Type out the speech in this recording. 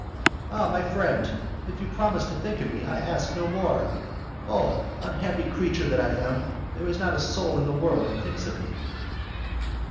"Ah, my friend! if you promise to think of me, I ask for no more. Oh! unhappy creature that I am; there is not a soul in the world who thinks of me."